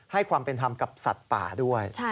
ให้ความเป็นธรรมกับสัตว์ป่าด้วย